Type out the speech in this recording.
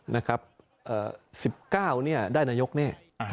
นะครับ๑๙เนี่ยได้นายกแน่